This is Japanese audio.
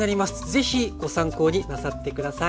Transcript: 是非ご参考になさって下さい。